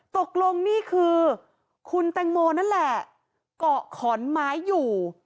ตกลงนี่คือคุณแตงโมนั่นแหละเกาะขอนไม้อยู่